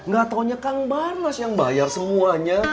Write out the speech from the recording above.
gak taunya kang barnas yang bayar semuanya